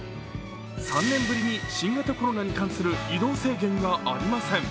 ３年ぶりに新型コロナに関する移動制限がありません。